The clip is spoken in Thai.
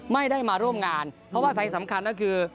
ไม่ได้มาร่วมงานเพราะว่าสายสำคัญก็คือ